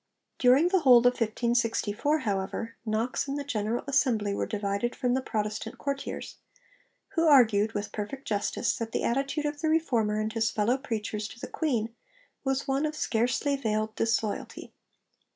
During the whole of 1564, however, Knox and the General Assembly were divided from the Protestant courtiers, who argued, with perfect justice, that the attitude of the Reformer and his fellow preachers to the Queen was one of scarcely veiled disloyalty.